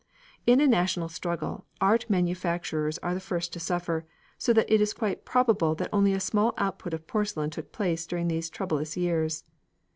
In a national struggle, art manufactures are the first to suffer, so that it is quite probable that only a small output of porcelain took place during those troublous years.